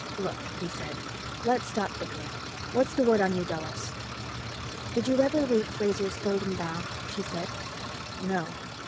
"Look," he said, "let's stop bickering. What's the word on New Delos?" "Did you ever read Frazer's 'Golden Bough'?" she said. "No."